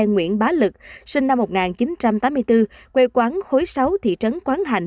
nguyễn bá lực sinh năm một nghìn chín trăm tám mươi bốn quê quán khối sáu thị trấn quán hạnh